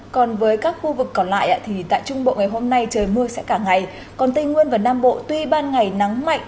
còn với các khu vực còn lại thì tại trung bộ ngày hôm nay trời mưa sẽ cả ngày còn tây nguyên và nam bộ tuy ban ngày nắng mạnh